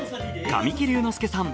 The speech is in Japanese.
神木隆之介さん